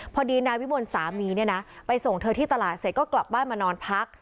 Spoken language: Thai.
พอดีนายวิมลสามีเนี่ยนะไปส่งเธอที่ตลาดเสร็จก็กลับบ้านมานอนพัก